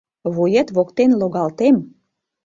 Вует воктен логалтем.